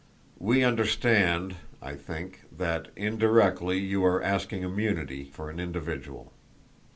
We understand, I think, that indirectly you are asking immunity for an individual.